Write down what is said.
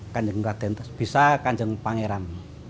kanjeng radentes bisa kanjeng pangeran